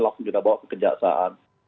langsung kita bawa ke kejaksaan